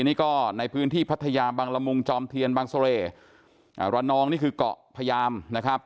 นี่ก็ในพื้นที่พัทยาบังละมุงจอมเทียนบางเสร่ระนองนี่คือเกาะพยามนะครับ